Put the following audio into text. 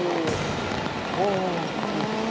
おお！